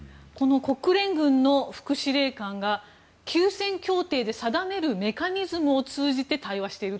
国連軍の副司令官が休戦協定で定めるメカニズムを通じて対話していると。